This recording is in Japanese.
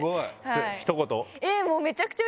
ひと言。